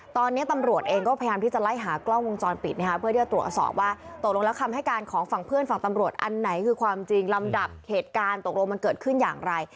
ตอนนี้ตำรวจเองก็พยายามที่จะไล่หากล้องวงจรปิดนะคะเพื่อที่จะตรวจสอบว่าตกลงแล้วคำให้การของฝั่งเพื่อนฝั่งตำรวจอันไหนคือความจริงลำดับเหตุการณ์ตกลงมันเกิดขึ้นอย่างไร